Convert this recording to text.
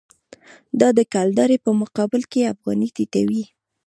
دا د کلدارې په مقابل کې افغانۍ ټیټوي.